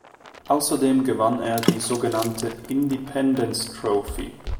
Außerdem gewann er die sogenannte "Independents' Trophy".